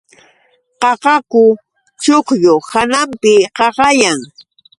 Qaqaku chuqllu hananpi qaqayan.